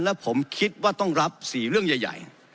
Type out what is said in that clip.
และผมคิดว่าต้องรับ๔เรื่องใหญ่